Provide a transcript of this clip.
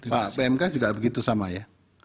pak pmk juga begitu sama ya